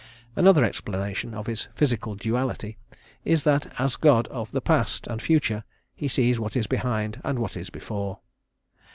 Another explanation of his physical duality is that as god of the past and future he sees what is behind and what is before.